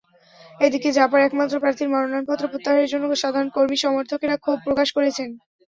এদিকে জাপার একমাত্র প্রার্থীর মনোনয়নপত্র প্রত্যাহারের জন্য সাধারণ কর্মী-সমর্থকেরা ক্ষোভ প্রকাশ করেছেন।